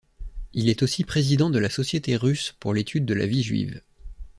Il est aussi président de la société russe pour l'étude de la vie juive.